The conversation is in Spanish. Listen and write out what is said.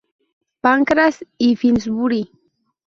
Pancras y Finsbury.